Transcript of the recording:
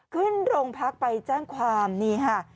ขึ้นโรงพักไปแจ้งความนี่ค่ะ